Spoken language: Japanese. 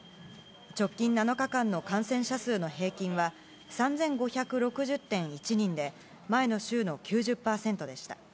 直近７日間の感染者数の平均は３５６０．１人で、前の週の９０％でした。